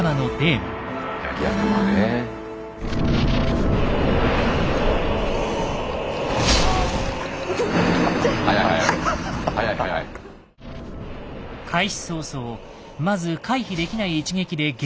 開始早々まず回避できない一撃でゲームオーバー。